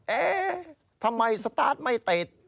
เอ๊ะทำไมสตาร์ทไม่ติด